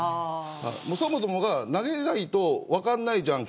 そもそも投げないと分からないじゃん